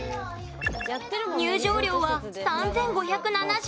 入場料は３５７０円。